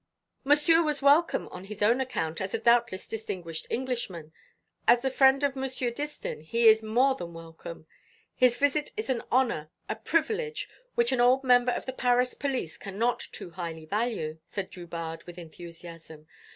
"Monsieur was welcome on his own account as a doubtless distinguished Englishman; as the friend of Monsieur Distin he is more than welcome. His visit is an honour, a privilege which an old member of the Paris police cannot too highly value," said Drubarde, with enthusiasm.